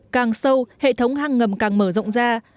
càng sâu hệ thống hang ngầm càng mở rộng ra